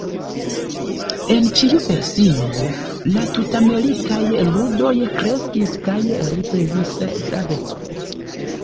En ĉiu versio, la Tut-Amerikaj Ludoj kreskis kaj ricevis gravecon.